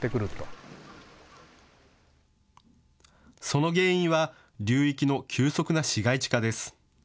その原因は流域の急速な市街地化です。